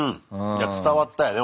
いや伝わったよね